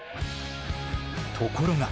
ところが。